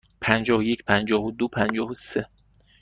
پنجاه و یک، پنجاه و دو، پنجاه و سه.